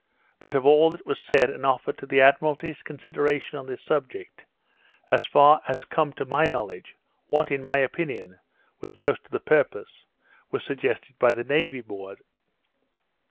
But of all that was said and offered to the Admiralty's consideration on this subject, as far as has come to my knowledge, what, in my opinion, was most to the purpose, was suggested by the Navy board.